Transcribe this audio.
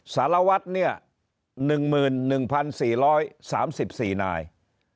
สารวัฒน์เนี่ย๑๑๔๓๔นายครับ